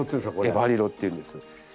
エヴァリロっていうんです。